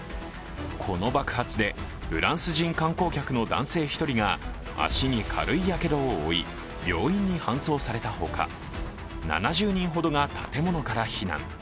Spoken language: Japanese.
この爆発でフランス人観光客の男性１人が足に軽いやけどを負い病院に搬送されたほか、７０人ほどが建物から避難。